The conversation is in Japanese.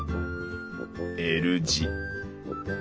Ｌ字。